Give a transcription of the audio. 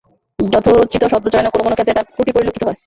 যথোচিত শব্দ চয়নেও কোন কোন ক্ষেত্রে তাঁর ত্রুটি পরিলক্ষিত হয়।